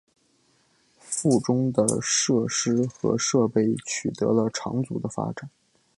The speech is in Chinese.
附中的设施和设备取得了长足的发展。